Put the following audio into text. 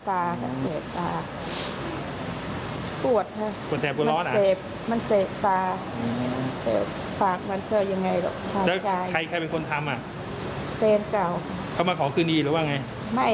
อ่าจะทำเตียงนอนค่ะเตียงนอนทำเตียงจ้ะ